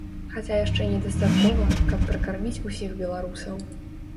Хаця яшчэ недастаткова, каб пракарміць усіх беларусаў.